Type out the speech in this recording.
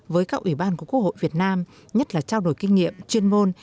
với các ủy ban của quốc hội việt nam nhất là trao đổi kinh nghiệm chuyên môn